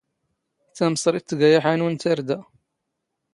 ⵜⴰⵎⵚⵔⵉⵜ ⵜⴳⴰ ⴰⵃⴰⵏⵓ ⵏ ⵜⴰⵔⴷⴰ.